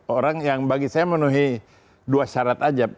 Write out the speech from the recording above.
orang yang bagi saya menuhi dua syarat saja